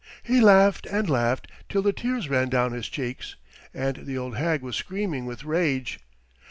He laughed and laughed till the tears ran down his cheeks, and the old hag was screaming with rage.